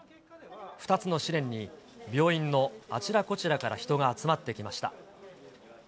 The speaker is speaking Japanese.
２つの試練に病院のあちらこちらから人が集まってきました。